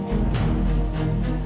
yang hanya tenang